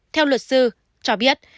theo luật sư cho biết